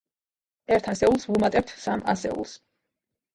ერთ ასეულს ვუმატებთ სამ ასეულს.